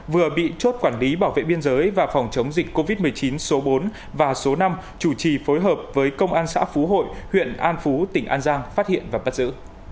vừa bị chốt quản lý bảo vệ biên giới và phòng chống dịch covid một mươi chín số bốn và số năm chủ trì phối hợp với công an xã phú hội huyện an phú tỉnh an giang phát hiện và bắt giữ